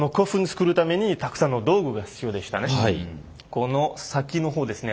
この先の方ですね